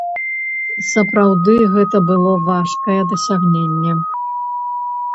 Сапраўды гэта было важкае дасягненне.